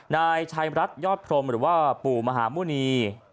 นายชายรัฐยอดพรมหรือว่าปู่มหาหมุณี